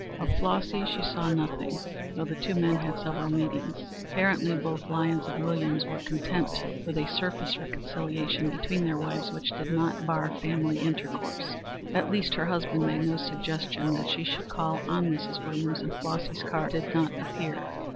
Of Flossy she saw nothing, though the two men had several meetings. Apparently both Lyons and Williams were content with a surface reconciliation between their wives which did not bar family intercourse. At least her husband made no suggestion that she should call on Mrs. Williams, and Flossy's cards did not appear.